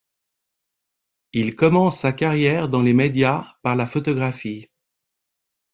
Il commence sa carrière dans les médias par la photographie.